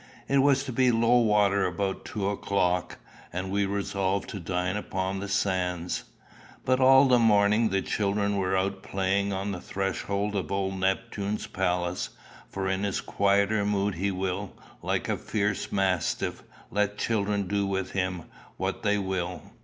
It was to be low water about two o'clock, and we resolved to dine upon the sands. But all the morning the children were out playing on the threshold of old Neptune's palace; for in his quieter mood he will, like a fierce mastiff, let children do with him what they will.